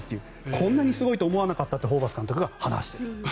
こんなにすごいと思わなかったとホーバス監督が話している。